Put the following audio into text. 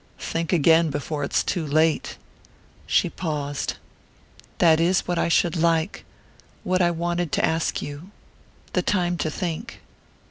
Think again before it's too late." She paused. "That is what I should like...what I wanted to ask you...the time to think."